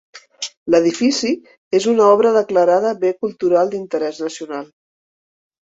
L'edifici és una obra declarada Bé Cultural d'Interès Nacional.